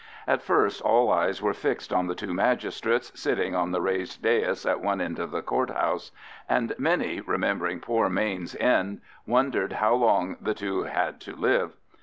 At first all eyes were fixed on the two magistrates sitting on the raised dais at one end of the court house, and many, remembering poor Mayne's end, wondered how long the two had to live.